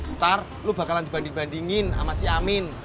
ntar lu bakalan dibanding bandingin sama si amin